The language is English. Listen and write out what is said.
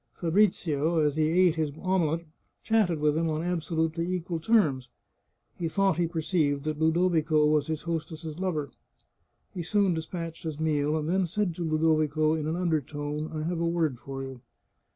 Fabrizio, as he ate his ome let, chatted with him on absolutely equal terms. He thought he perceived that Ludovico was his hostess's lover. He soon despatched his meal, and then said to Ludovico in an undertone, " I have a word for you."